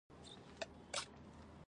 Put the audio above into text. موټر شیشه او دروازې لري.